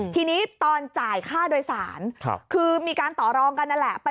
ทีนี้ตอนจ่ายค่าโดยสารคือมีการต่อรองกันนั่นแหละ